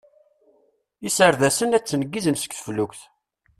Iserdasen a d-nettneggizen seg teflukt.